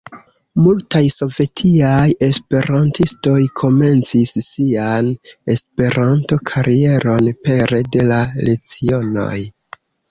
Multaj sovetiaj esperantistoj komencis sian Esperanto-karieron pere de la lecionoj.